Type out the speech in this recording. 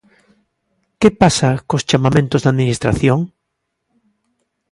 Que pasa cos chamamentos da Administración?